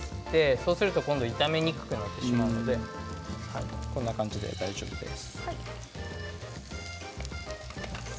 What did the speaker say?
そうすると炒めにくくなってしまうのでこんな感じで大丈夫です。